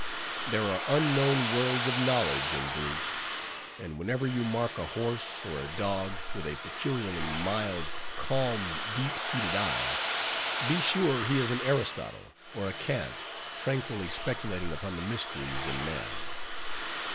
There are unknown worlds of knowledge in brutes; and whenever you mark a horse, or a dog, with a peculiarly mild, calm, deep seated eye, be sure he is an Aristotle or a Kant, tranquilly speculating upon the mysteries in man.